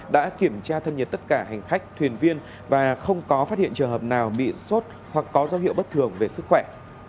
đã kiểm tra thân nhiệt tất cả hành khách thuyền viên và không có phát hiện trường hợp nào bị sốt hoặc có dấu hiệu bất thường về sức khỏe